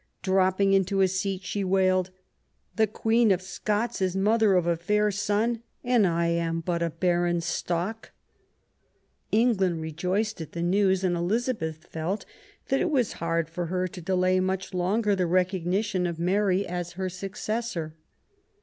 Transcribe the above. Dropping into a seat, she wailed :" The Queen of Scots is mother of a fair son, and I am but a barren stock ". England rejoiced at the news, and Elizabeth felt that it was hard for her to delay much longer the recognition of Mary as her successor.